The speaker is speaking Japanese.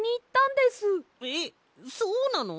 えっそうなの？